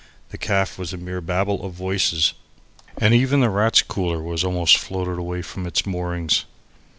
The caff was a mere babel of voices, and even the Rats' Cooler was almost floated away from its moorings.